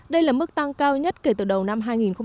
đây là mức tăng cao nhất kể từ đầu năm hai nghìn một mươi tám